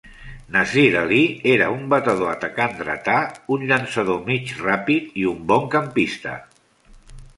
Nazir Ali era un batedor atacant dretà, un llançador mig ràpid i un bon campista.